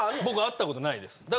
僕会ったことないです。